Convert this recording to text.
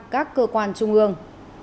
các cơ quan trung ương